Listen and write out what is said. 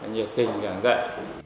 nhiệt tình giảng dạy